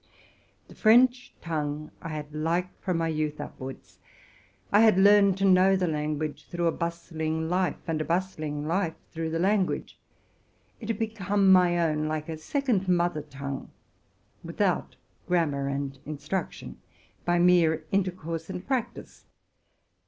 The French tongue I had liked from my youth upwards: I had become acquainted with the language through a bustling life, and with a bustling life through the language. It had become my own, like a second mother tongue, without oram mar and instruction — by mere intercourse and practice.